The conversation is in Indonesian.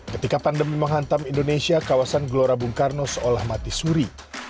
ketika pandemi menghantam indonesia kawasan gelora bung karno seolah mati suri